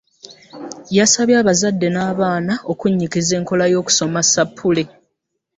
Yasabye abazadde n'abaana okunnyikiza enkola y'okusoma ssappule